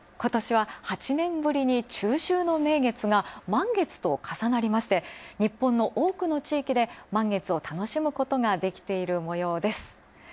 ８年ぶりに中秋の名月が満月と重なりまして、日本の多くの地域で満月を楽しむことができているもようです。